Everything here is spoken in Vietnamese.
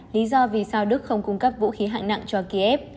lý do vì sao đức không cung cấp vũ khí hạng nặng cho kiev